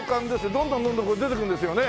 どんどんどんどんこれ出てくるんですよね。